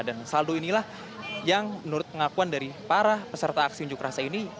dan saldo inilah yang menurut pengakuan dari para peserta aksi unjuk rasa ini